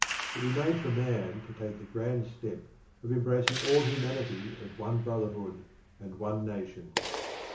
It remained for Man to take the grand step of embracing all humanity as one brotherhood and one nation.